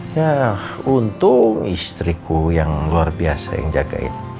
yah untung istriku yang luar biasa yang jagain